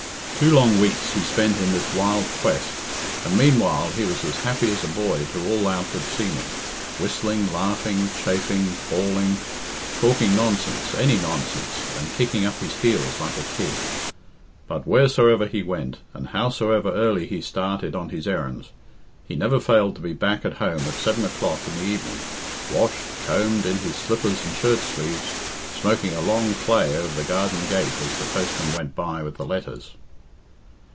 Two long weeks he spent in this wild quest, and meanwhile he was as happy as a boy to all outward seeming whistling, laughing, chaffing, bawling, talking nonsense, any nonsense, and kicking up his heels like a kid. But wheresoever he went, and howsoever early he started on his errands, he never failed to be back at home at seven o'clock in the evening washed, combed, in his slippers and shirt sleeves, smoking a long clay over the garden gate as the postman went by with the letters.